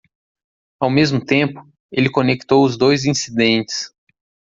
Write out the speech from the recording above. Ao mesmo tempo? ele conectou os dois incidentes.